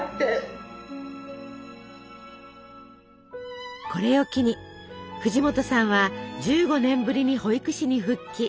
で何か私これを機に藤本さんは１５年ぶりに保育士に復帰。